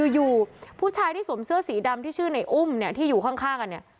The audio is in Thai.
อยู่ผู้ชายที่สวมเสื้อสีดำที่ชื่อในอุ้มเนี่ยที่อยู่ข้างกันเนี่ย